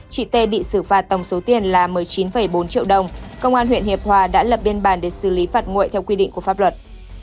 chị tê bị xử phạt tổng số tiền là một mươi chín bốn triệu đồng công an huyện hiệp hòa đã lập biên bản để xử lý phạt nguội theo quy định của pháp luật